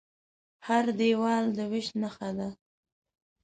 هر دیوال د وېش نښه ده.